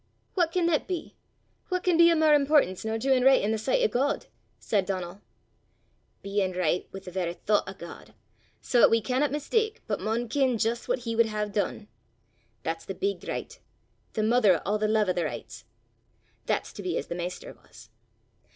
"What can that be? What can be o' mair importance nor doin' richt i' the sicht o' God?" said Donal. "Bein' richt wi' the varra thoucht o' God, sae 'at we canna mistak, but maun ken jist what he wad hae dune. That's the big Richt, the mother o' a' the lave o' the richts. That's to be as the maister was.